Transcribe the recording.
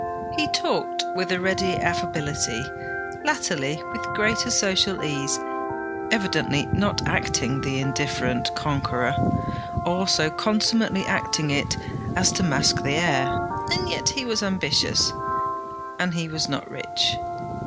He talked with a ready affability, latterly with greater social ease; evidently not acting the indifferent conqueror, or so consummately acting it as to mask the air. And yet he was ambitious, and he was not rich.